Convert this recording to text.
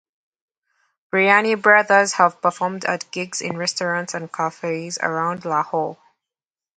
Biryani Brothers have performed at gigs in restaurants and cafes around Lahore.